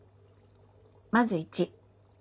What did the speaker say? まず１。